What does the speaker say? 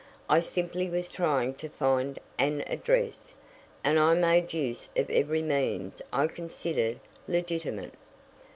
I simply was trying to find an address, and I made use of every means I considered legitimate.